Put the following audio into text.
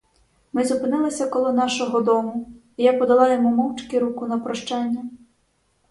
Ми зупинилися коло нашого дому, і я подала йому мовчки руку на прощання.